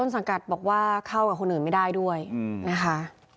สังกัดบอกว่าเข้ากับคนอื่นไม่ได้ด้วยนะคะ